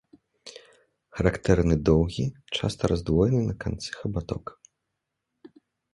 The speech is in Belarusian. Характэрны доўгі, часта раздвоены на канцы хабаток.